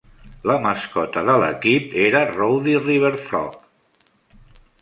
La mascota de l'equip era Rowdy River Frog.